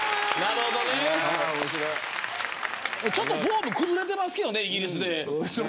ちょっとフォーム崩れてますけどね、イギリスで。